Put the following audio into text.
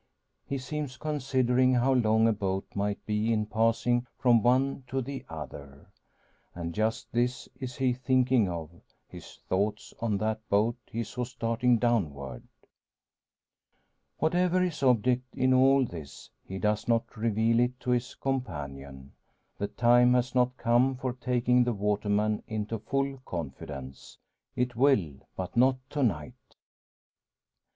He seems considering how long a boat might be in passing from one to the other. And just this is he thinking of: his thoughts on that boat he saw starting downward. Whatever his object in all this, he does not reveal it to his companion. The time has not come for taking the waterman into full confidence. It will, but not to night.